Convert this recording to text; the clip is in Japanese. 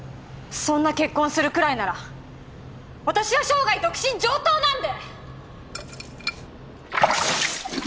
そんな結婚するくらいなら私は生涯独身上等なんで！